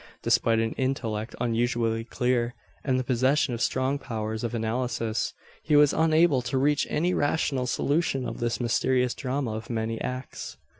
Despite an intellect unusually clear, and the possession of strong powers of analysis, he was unable to reach any rational solution of this mysterious drama of many acts.